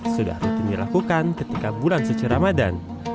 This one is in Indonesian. sudah rutin dilakukan ketika bulan suci ramadan